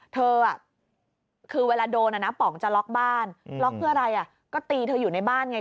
เธอคือเวลาโดนป๋องจะล็อกบ้านล็อกเพื่ออะไรก็ตีเธออยู่ในบ้านไง